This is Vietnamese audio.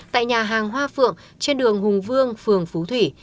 tại nhà hàng hoa phượng trên đường hùng vương phường phú thủy